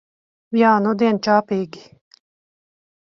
Jā, nudien čābīgi.